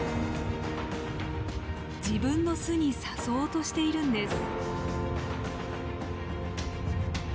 自分の巣に誘おうとしているんです。